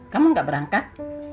kamu gak berangkat